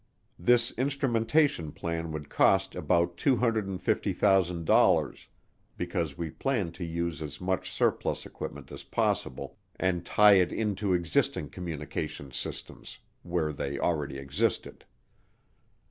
This instrumentation plan would cost about $250,000 because we planned to use as much surplus equipment as possible and tie it into existing communications systems, where they already existed.